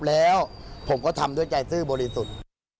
แล้วผมก็ทำด้วยใจซื่อบริสุทธิ์